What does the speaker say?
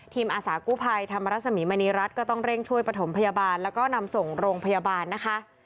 อาสากู้ภัยธรรมรสมีมณีรัฐก็ต้องเร่งช่วยประถมพยาบาลแล้วก็นำส่งโรงพยาบาลนะคะ